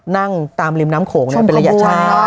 นั่งตามริมน้ำโขงนั่งเป็นระยะชาย